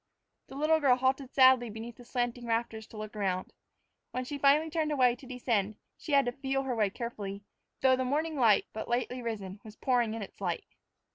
The little girl halted sadly beneath the slanting rafters to look round. When she finally turned away to descend, she had to feel her way carefully, though the morning sun, but lately risen, was pouring in its light.